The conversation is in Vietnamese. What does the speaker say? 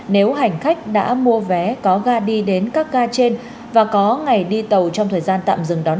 nếu hành khách đã mua vé có ga đi đến các ga trên và có ngày đi tàu trong thời gian tạm dừng đón